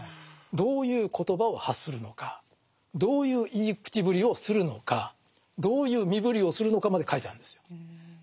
どういう言葉を発するのかどういう言い口ぶりをするのかどういう身振りをするのかまで書いてあるんですよ。